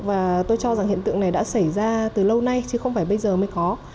và tôi cho rằng hiện tượng này đã xảy ra từ lâu nay chứ không phải bây giờ mới có